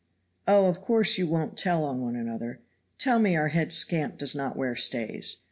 "Oh, of course you won't tell on one another. Tell me our head scamp does not wear stays!